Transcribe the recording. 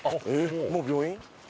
もう病院？